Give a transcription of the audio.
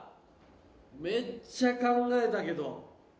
めっちゃ考えたけど。